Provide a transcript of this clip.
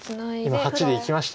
今「８」でいきました。